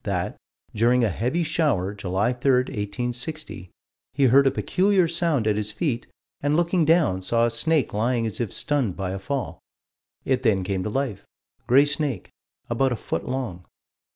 that, during a heavy shower, July 3, 1860, he heard a peculiar sound at his feet, and looking down, saw a snake lying as if stunned by a fall. It then came to life. Gray snake, about a foot long.